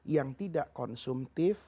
yang tidak konsumtif